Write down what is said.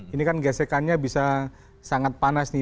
ini kan gesekannya bisa sangat panas nih